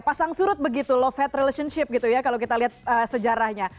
pasang surut begitu low fat relationship gitu ya kalau kita lihat sejarahnya